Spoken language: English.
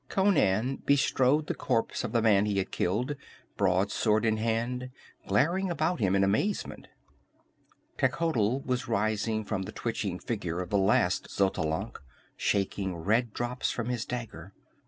Conan bestrode the corpse of the man he had killed, broadsword in hand, glaring about him in amazement. Techotl was rising from the twitching figure of the last Xotalanc, shaking red drops from his dagger.